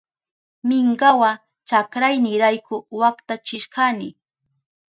Minkawa chakraynirayku waktachishkani.